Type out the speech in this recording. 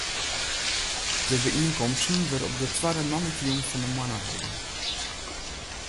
De byienkomsten wurde op de twadde moandeitejûn fan de moanne holden.